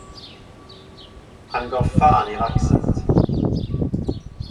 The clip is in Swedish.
Han gav fan i vaxet.